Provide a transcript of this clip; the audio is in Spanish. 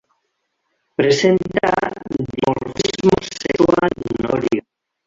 Presenta dimorfismo sexual notorio.